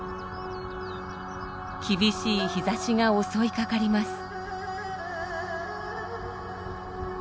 厳しい日ざしが襲いかかります。